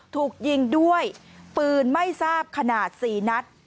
ถูกยิงด้วยปืนไม่ทราบขนาด๔นัด